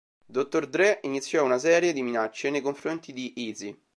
Dr. Dre iniziò una serie di minacce nei confronti di Eazy.